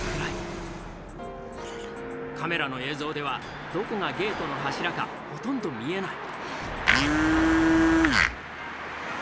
カメラの映像ではどこがゲートの柱かほとんど見えない。